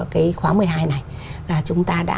cái khóa một mươi hai này là chúng ta đã